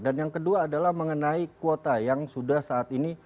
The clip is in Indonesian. dan yang kedua adalah mengenai kuota yang sudah saat ini